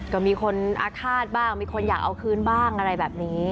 ก็มีคนอาฆาตบ้างมีคนอยากเอาคืนบ้างอะไรแบบนี้